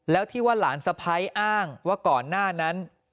แล้วที่ว่าหลานสะพ้ายอ้างว่าก่อนหน้านั้น